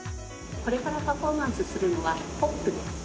これからパフォーマンスするのはホップです。